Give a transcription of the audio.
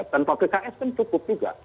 dan pks kan cukup juga